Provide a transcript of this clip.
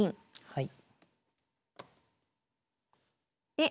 はい。